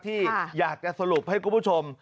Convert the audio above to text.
ที่อยากจะสรุปให้คุณผู้ชม